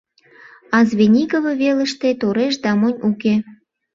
А Звенигово велыште тореш да монь уке.